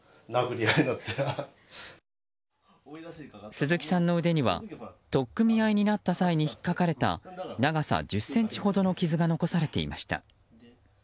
鈴木さんの腕には取っ組み合いになった際に引っかかれた長さ１０ｃｍほどの傷が残されていました。